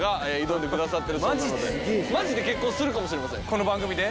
この番組で？